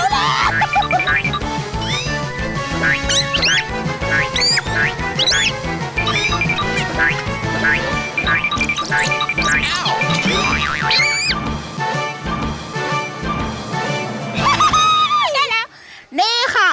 เฮ้เฮทถูกล่าว